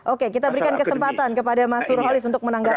oke kita berikan kesempatan kepada mas nurholis untuk menanggapi